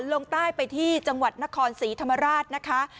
ลงใต้ไปที่จังหวัดนครศรีธรรมราชนะคะ